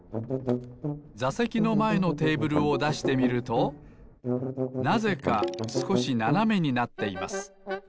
ざせきのまえのテーブルをだしてみるとなぜかすこしななめになっています。